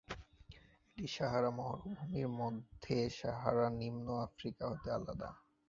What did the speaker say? এটি সাহারা মরুভূমির মাধ্যমে সাহারা-নিম্ন আফ্রিকা হতে আলাদা।